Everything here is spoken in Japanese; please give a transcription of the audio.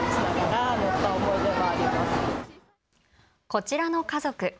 こちらの家族。